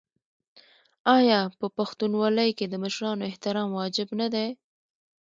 آیا په پښتونولۍ کې د مشرانو احترام واجب نه دی؟